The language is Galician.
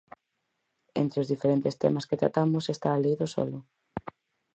Entre os diferentes temas que tratamos está a Lei do solo.